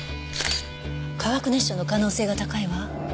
化学熱傷の可能性が高いわ。